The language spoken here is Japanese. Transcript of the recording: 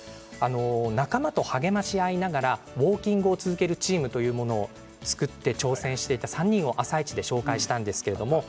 仲間と励まし合いながらウォーキングを続けるチームというものを作って挑戦していた３人を「あさイチ」で紹介しました。